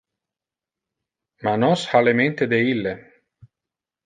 Ma nos ha le mente de Ille.